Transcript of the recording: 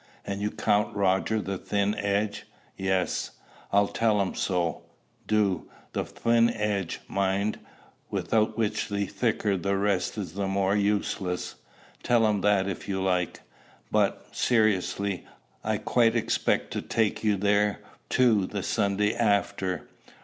"And you count Roger the thin edge?" "Yes." "I'll tell him so." "Do. The thin edge, mind, without which the thicker the rest is the more useless! Tell him that if you like. But, seriously, I quite expect to take you there, too, the Sunday after."